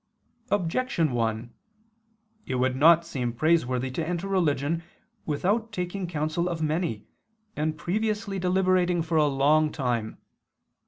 Objection 1: It would not seem praiseworthy to enter religion without taking counsel of many, and previously deliberating for a long time.